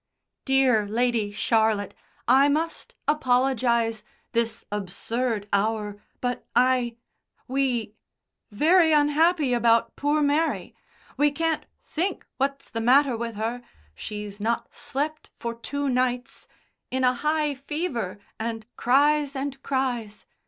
"Dear Lady Charlotte, I must apologise this absurd hour but I we very unhappy about poor Mary. We can't think what's the matter with her. She's not slept for two nights in a high fever, and cries and cries.